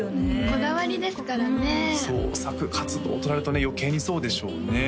こだわりですからね創作活動となるとね余計にそうでしょうね